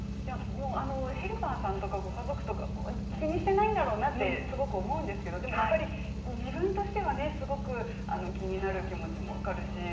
ヘルパーさんやご家族は気にしてないんだろうなとすごく思うんですけど、でもやっぱり自分としてはねすごく気になる気持ちも分かるし。